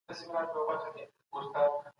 لږکي د ټولني رنګیني او ښکلا زیاتوي.